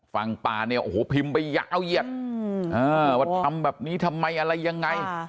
ฝั่งป่าเนี่ยโอ้โหพิมพ์ไปยาวเหยียดว่าทำแบบนี้ทำไมอะไรยังไง